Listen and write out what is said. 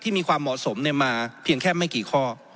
มีความเหมาะสมมาเพียงแค่ไม่กี่ข้อ